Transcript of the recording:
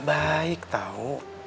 gak baik tau